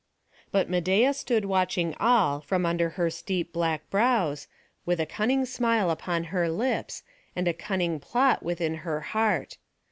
But Medeia stood watching all, from under her steep black brows, with a cunning smile upon her lips, and a cunning plot within her heart.